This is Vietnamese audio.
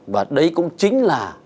và đấy cũng chính là